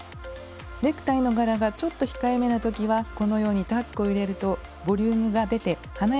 ネクタイの柄がちょっと控えめな時はこのようにタックを入れるとボリュームが出て華やかになります。